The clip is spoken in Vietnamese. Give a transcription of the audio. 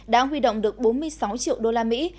đã huy động được bốn mươi sáu triệu đô la mỹ